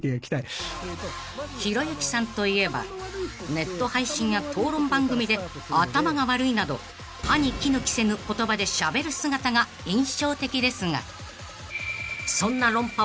［ひろゆきさんといえばネット配信や討論番組で「頭が悪い」など歯に衣着せぬ言葉でしゃべる姿が印象的ですがそんな論破